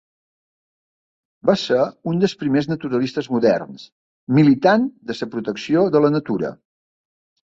Va ser un dels primers naturalistes moderns, militant de la protecció de la natura.